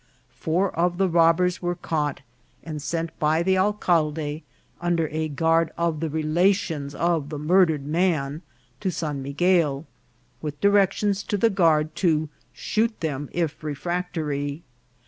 Four of the robbers were caught, and sent by the alcalde, under a guard of the relations of the mur dered man, to San Miguel, with directions to the guard to shoot them if refractory.